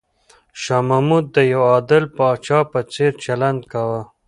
شاه محمود د یو عادل پاچا په څېر چلند کاوه.